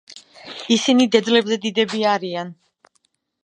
ისინი დედლებზე დიდები არიან.